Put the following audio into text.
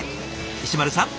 石丸さん